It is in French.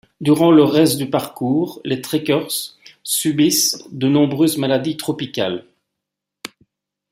Durant le reste du parcours, les trekkers subissent de nombreuses maladies tropicales.